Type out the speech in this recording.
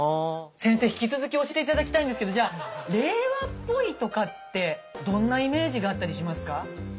先生引き続き教えて頂きたいんですけどじゃ令和っぽいとかってどんなイメージがあったりしますか？